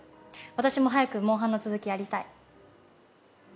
私も早く「モンハン」の続きやりたい。